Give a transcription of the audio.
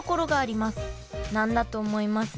何だと思います？